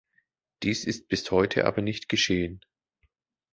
Dies ist bis heute aber nicht geschehen.